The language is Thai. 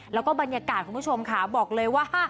แล้วก็บรรยากาศคุณผู้ชมค่ะบอกเลยว่า